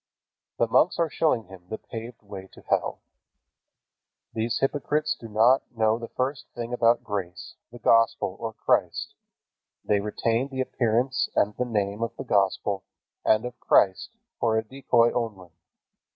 The monks are showing him the paved way to hell. These hypocrites do not know the first thing about grace, the Gospel, or Christ. They retain the appearance and the name of the Gospel and of Christ for a decoy only.